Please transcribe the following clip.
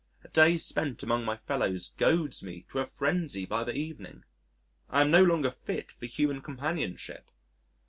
A day spent among my fellows goads me to a frenzy by the evening. I am no longer fit for human companionship.